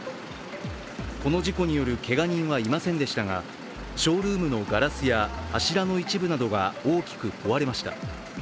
この事故によるけが人はいませんでしたがショールームのガラスや柱の一部などが大きく壊れました。